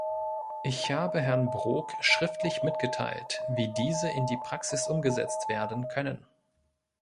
Ich habe Herrn Brok schriftlich mitgeteilt, wie diese in die Praxis umgesetzt werden können.